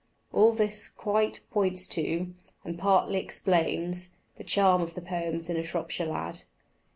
All this quite points to, and partly explains, the charm of the poems in _ A Shropshire Lad _.